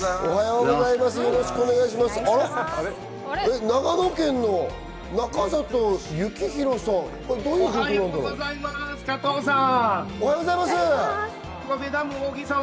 おはようございます、加藤さん。